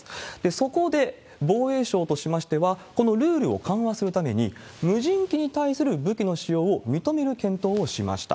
そこで、防衛省としましては、このルールを緩和するために、無人機に対する武器の使用を認める検討をしました。